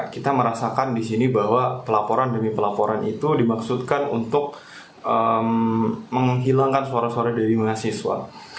kita merasakan di sini bahwa pelaporan demi pelaporan itu dimaksudkan untuk menghilangkan suara suara dari mahasiswa